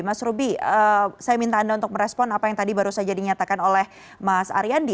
mas ruby saya minta anda untuk merespon apa yang tadi baru saja dinyatakan oleh mas ariyandi